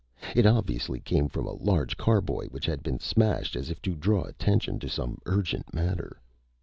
It obviously came from a large carboy which had been smashed as if to draw attention to some urgent matter.